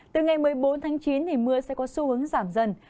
từ ngày một mươi bốn tháng chín mưa sẽ có xu hướng giảm dần